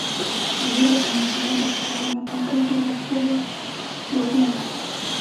Villar de Cañas se encuentra situado en la cuenca hidrográfica del Guadiana.